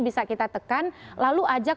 bisa kita tekan lalu ajak